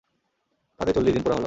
তাতে চল্লিশ দিন পুরা হলো।